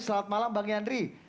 selamat malam bang yandri